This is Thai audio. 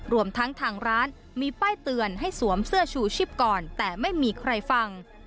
รวมทั้งทางร้านมีป้ายเตือนให้สวมเสื้อชูชีพก่อนแต่ไม่มีใครฟัง